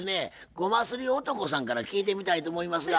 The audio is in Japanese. ゴマすり男さんから聞いてみたいと思いますが。